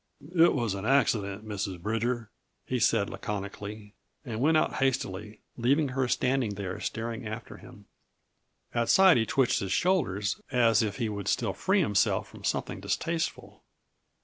"It was an accident, Mrs. Bridger," he said laconically, and went out hastily, leaving her standing there staring after him. Outside, he twitched his shoulders as if he would still free himself of something distasteful.